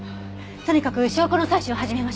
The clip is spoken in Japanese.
とにかく証拠の採取を始めましょう。